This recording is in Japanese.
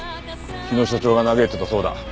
日野所長が嘆いていたそうだ。